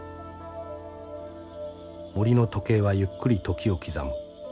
森の時計はゆっくり時を刻む。